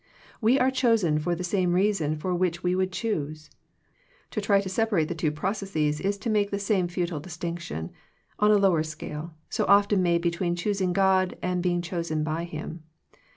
We are chosen for the same reason for which we would choose. To try to separate the two processes is to make the same futile distinction, on a lower scale, so often made between choosing God and being chosen by Him.